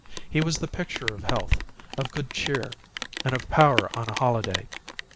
He was the picture of health, of good cheer, and of power on a holiday.